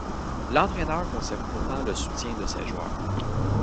L'entraîneur conserve pourtant le soutien de ses joueurs.